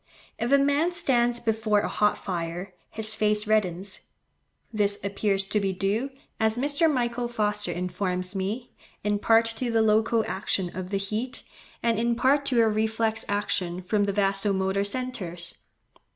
If a man stands before a hot fire, his face reddens. This appears to be due, as Mr. Michael Foster informs me, in part to the local action of the heat, and in part to a reflex action from the vaso motor centres.